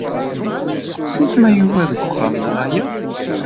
Steqsi-t ma Yuba deg uxxam neɣ ala.